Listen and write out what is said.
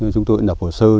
chúng tôi đã đọc hồ sơ